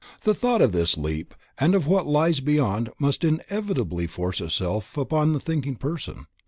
The thought of this leap and of what lies beyond must inevitably force itself upon every thinking person.